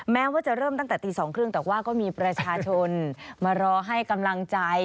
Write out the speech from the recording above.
แม้ว่าจะเริ่มตั้งแต่ตี๒๓๐แต่ว่าก็มีประชาชนมารอให้กำลังใจ